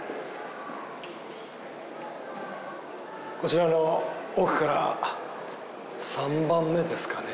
こちらの奥から３番目ですかね。